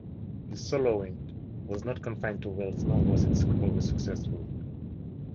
His soloing was not confined to Wales, nor was it always successful.